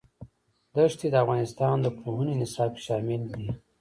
ښتې د افغانستان د پوهنې نصاب کې شامل دي.